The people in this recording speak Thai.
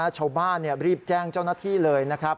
ชาวบ้านรีบแจ้งเจ้าหน้าที่เลยนะครับ